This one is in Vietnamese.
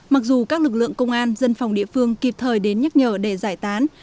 mặc dù các lực lượng công an dân phòng địa phương kịp thời đến nhắc nhở để giải tán